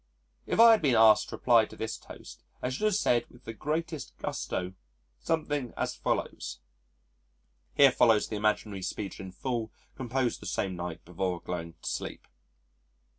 If I had been asked to reply to this toast I should have said with the greatest gusto, something as follows, [Here follows the imaginary speech in full, composed the same night before going to sleep.